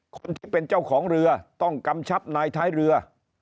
คนที่เป็นเจ้าของเรือต้องกำชับนายท้ายเรือ